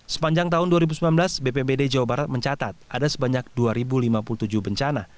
sepanjang tahun dua ribu sembilan belas bpbd jawa barat mencatat ada sebanyak dua lima puluh tujuh bencana